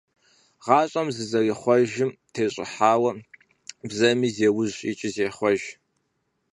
ГъащӀэм зэрызихъуэжым тещӀыхьауэ бзэми зеужь икӀи зехъуэж.